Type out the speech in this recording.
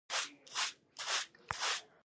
بزګان د افغانستان د انرژۍ سکتور برخه ده.